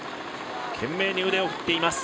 懸命に腕を振っています。